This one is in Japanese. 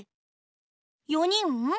４にん？